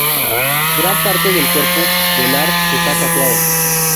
Gran parte del cuerpo de Lars esta tatuado.